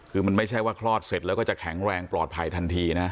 คือมันไม่ใช่ว่าคลอดเสร็จแล้วก็จะแข็งแรงปลอดภัยทันทีนะ